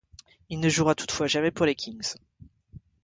Il ne jouera toutefois jamais pour les Kings.